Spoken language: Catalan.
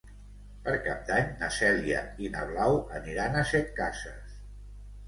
Per Cap d'Any na Cèlia i na Blau aniran a Setcases.